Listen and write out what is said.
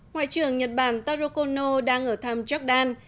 ngoại trưởng nhật bản taro kono đang ở thăm jordan